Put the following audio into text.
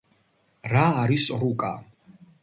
რა არის რუკა